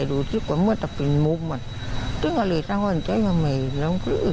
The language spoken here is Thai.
ดูสิกว่าเมื่อจะเป็นมุมอะตึงก็เลยทั้งวันเจ้าใหม่ล้องคือ